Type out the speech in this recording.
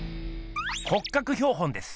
骨格標本です。